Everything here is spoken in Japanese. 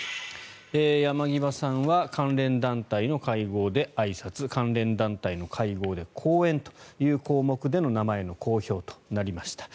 山際さんは関連団体の会合であいさつ関連団体の会合で講演という項目での名前の公表となりました。